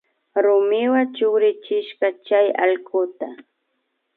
Rumiwa chukrichirka chay allkuta